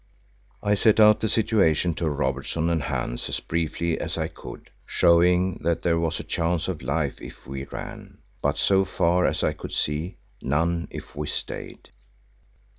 I set out the situation to Robertson and Hans as briefly as I could, showing that there was a chance of life if we ran, but so far as I could see, none if we stayed.